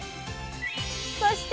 そして！